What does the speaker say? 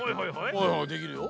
はいはいできるよ。